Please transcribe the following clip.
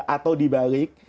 atau di balik